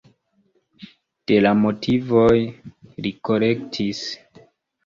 De la motivoj li korektis.